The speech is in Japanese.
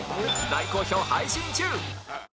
大好評配信中！